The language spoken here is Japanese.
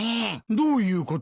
どういうことだ？